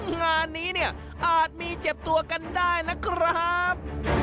งานนี้เนี่ยอาจมีเจ็บตัวกันได้นะครับ